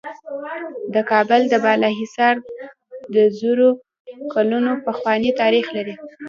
د کابل د بالا حصار د زرو کلونو پخوانی تاریخ لري